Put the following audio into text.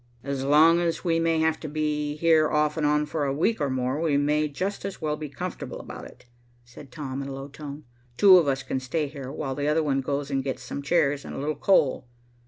"As long as we may have to be here off and on for a week or more, we may just as well be comfortable about it," said Tom, in a low tone. "Two of us can stay here, while the other one goes and gets some chairs and a little coal.